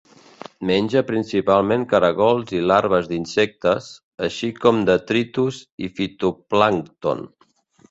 Menja principalment caragols i larves d'insectes, així com detritus i fitoplàncton.